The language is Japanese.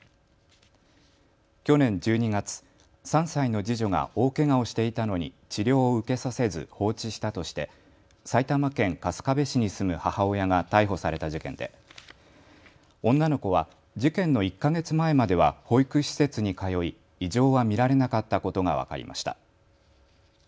去年１２月、３歳の次女が大けがをしていたのに治療を受けさせず放置したとして埼玉県春日部市に住む母親が逮捕された事件で女の子は事件の１か月前までは保育施設に通い異常は見られなかったことが分かりました。